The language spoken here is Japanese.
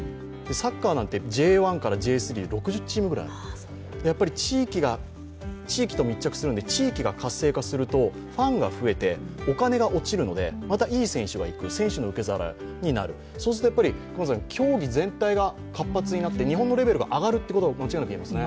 サッカーなんてＪ１からＪ３で６０チームぐらいある地域と密着するとファンが増えてお金が落ちるので、また、いい選手が行く、選手の受け皿になる、そうすると、競技全体が活発になって日本のレベルが上がるということは間違いなく言えますよね。